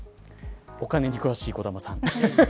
お金に詳しい小玉さん